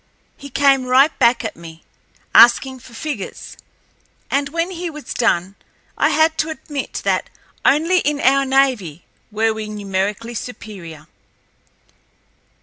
He came right back at me asking for figures, and when he was done I had to admit that only in our navy were we numerically superior.